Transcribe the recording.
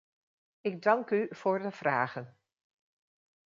Ik dank u voor de vragen.